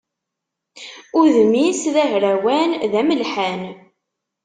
Udem-is d ahrawan, d amelḥan.